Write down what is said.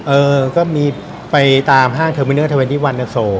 เออก็มีไปตามห้างเทอร์มิเนอร์๒๑เนอร์โซ